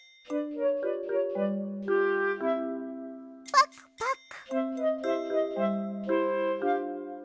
パクパク。